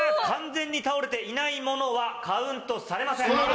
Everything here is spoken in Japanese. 完全に倒れていないものはカウントされません。